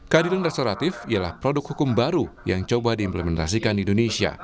kehadiran restoratif ialah produk hukum baru yang coba diimplementasikan di indonesia